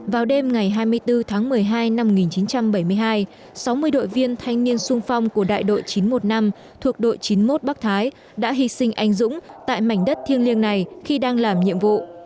vào đêm ngày hai mươi bốn tháng một mươi hai năm một nghìn chín trăm bảy mươi hai sáu mươi đội viên thanh niên sung phong của đại đội chín trăm một mươi năm thuộc đội chín mươi một bắc thái đã hy sinh anh dũng tại mảnh đất thiêng liêng này khi đang làm nhiệm vụ